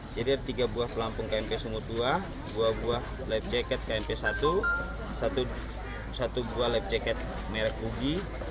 jadi ada tiga buah pelampung kmp sumut dua dua buah lap jaket kmp satu satu buah lap jaket merek ugi